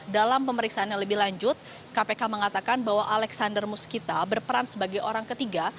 dalam pemeriksaan yang lebih lanjut kpk mengatakan bahwa alexander muskita berperan sebagai orang ketiga